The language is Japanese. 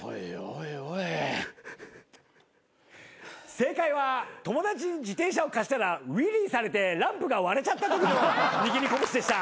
正解は友達に自転車を貸したらウィリーされてランプが割れちゃったときの握り拳でした。